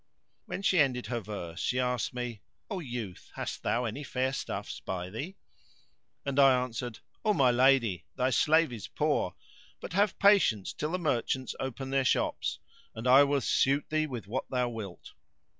When she ended her verse she asked me, "O youth, hast thou any fair stuffs by thee?"; and I answered, "O my lady, thy slave is poor; but have patience till the merchants open their shops, and I will suit thee with what thou wilt."